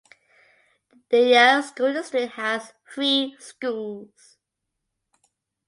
The Yale school district has three schools.